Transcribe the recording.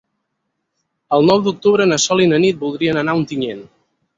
El nou d'octubre na Sol i na Nit voldrien anar a Ontinyent.